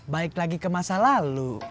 baik lagi ke masa lalu